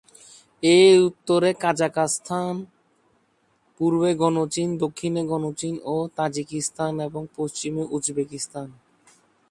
এর উত্তরে কাজাখস্তান, পূর্বে গণচীন, দক্ষিণে গণচীন ও তাজিকিস্তান এবং পশ্চিমে উজবেকিস্তান।